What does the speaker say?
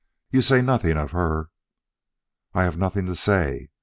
You say nothing of her." "I have nothing to say.